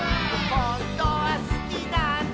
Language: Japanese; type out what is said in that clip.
「ほんとはだいすきなんだ」